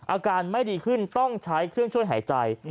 อาการไม่ดีขึ้นต้องใช้เครื่องช่วยหายใจ